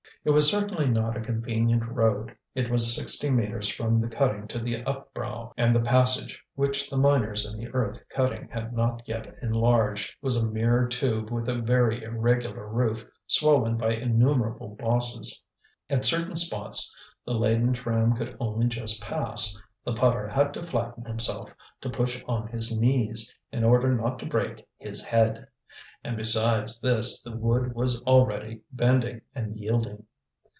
It was certainly not a convenient road. It was sixty metres from the cutting to the upbrow, and the passage, which the miners in the earth cutting had not yet enlarged, was a mere tube with a very irregular roof swollen by innumerable bosses; at certain spots the laden tram could only just pass; the putter had to flatten himself, to push on his knees, in order not to break his head, and besides this the wood was already bending and yielding.